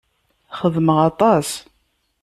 Xedmeɣ aṭas.